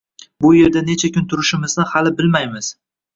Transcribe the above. Bu yerda necha kun turishimizni hali bilmaymiz.